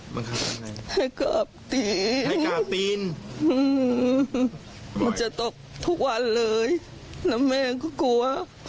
บังคับอะไรให้กราบตีนมันจะตกทุกวันเลยแล้วแม่ก็กลัว